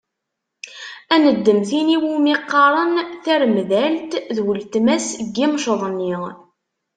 Ad neddem tin i wumi qqaren taremdalt, d uletma-s n yimceḍ-nni.